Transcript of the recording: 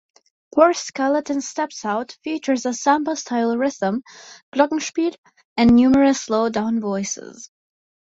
"Poor Skeleton Steps Out" features a samba-style rhythm, glockenspiel and numerous slowed down voices.